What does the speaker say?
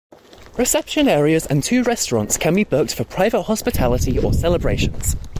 Reception areas and two restaurants can be booked for private hospitality or celebrations.